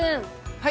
はい。